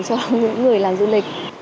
cho những người làm du lịch